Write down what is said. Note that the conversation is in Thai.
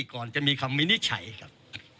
ก่อนจะมีคำวินิจฉัยครับ